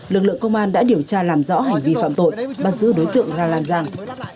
lực lượng công an đã điều tra làm rõ hành vi phạm tội bắt giữ đối tượng ra làn ràng